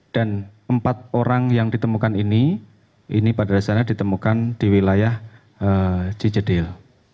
dan empat orang yang ditemukan ini ini pada dasarnya ditemukan di wilayah cicedil